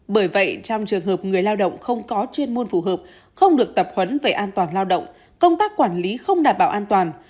bởi vậy trong trường hợp người lao động không có chuyên môn phù hợp không được tập huấn về an toàn lao động công tác quản lý không đảm bảo an toàn